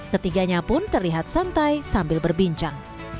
ketiganya pun terlihat santai sambil berbincang